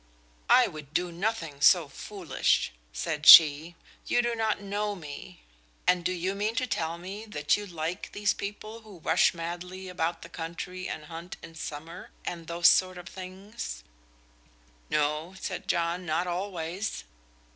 "I would do nothing so foolish," said she. "You do not know me. And do you mean to tell me that you like these people who rush madly about the country and hunt in summer, and those sort of things?" "No," said John, "not always."